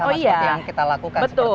seperti yang kita lakukan seperti ini